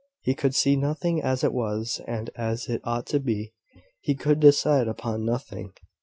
He could see nothing as it was, and as it ought to be: he could decide upon nothing.